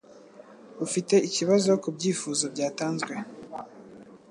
Ufite ikibazo kubyifuzo byatanzwe